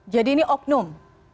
jadi ini oknum